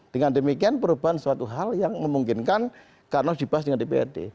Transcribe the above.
dengan demikian perubahan suatu hal yang memungkinkan karena dibahas dengan dprd